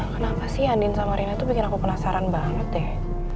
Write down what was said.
kenapa sih andin sama rina itu bikin aku penasaran banget deh